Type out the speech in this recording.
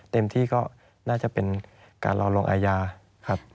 เต็มที่ก็น่าจะเป็นการรอลงอาญาครับ